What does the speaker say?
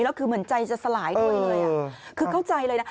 แล้วคือเหมือนใจจะสลายด้วยเลยคือเข้าใจเลยนะ